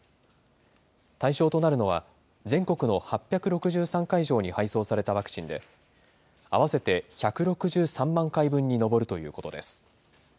対象となるのは、全国の８６３会場に配送されたワクチンで、合わせて１６３万回分に上るということです。